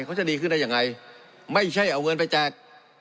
เขาจะดีขึ้นได้ยังไงไม่ใช่เอาเงินไปแจก